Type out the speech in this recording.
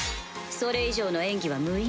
それ以上の演技は無意味よ。